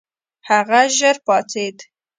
هغه ژر پاڅېد.